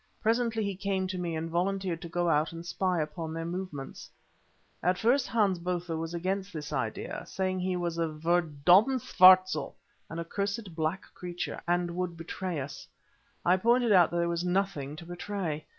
Presently he came to me and volunteered to go out and spy upon their movements. At first Hans Botha was against this idea, saying that he was a "verdomde swartzel"—an accursed black creature—and would betray us. I pointed out that there was nothing to betray.